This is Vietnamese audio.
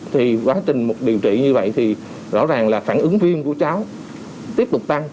thì quá trình điều trị như vậy thì rõ ràng là phản ứng viêm của cháu tiếp tục tăng